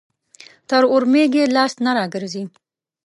تر اورمېږ يې لاس نه راګرځي.